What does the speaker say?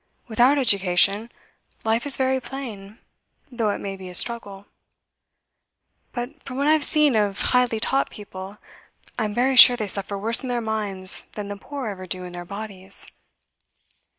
Without education, life is very plain, though it may be a struggle. But from what I have seen of highly taught people, I'm very sure they suffer worse in their minds than the poor ever do in their bodies.